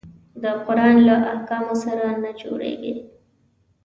د قرآن له احکامو سره نه جوړیږي.